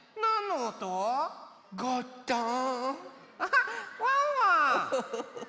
あっワンワン！